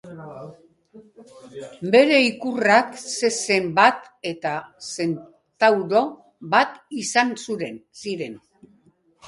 Bere ikurrak zezen bat eta zentauro bat izan ziren.